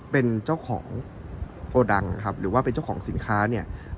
เป็นเจ้าของโกดังนะครับหรือว่าเป็นเจ้าของสินค้าเนี่ย